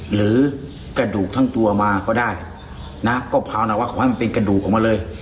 หรือกระดูกทั้งตัวมาก็ได้นะก็ภาวนาวะขอให้มันเป็นกระดูกออกมาเลย